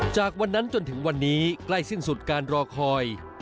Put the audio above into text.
จากวันนั้นจนถึงวันนี้ใกล้สิ้นสุดการรอคอย